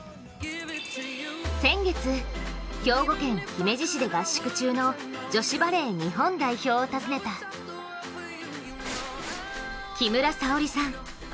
先月、兵庫県姫路市で合宿中の女子バレー日本代表を訪ねた木村沙織さん。